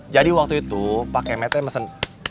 jadi waktu itu pak kemetnya mesen